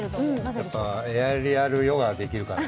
やっぱエアリアルヨガできるからね。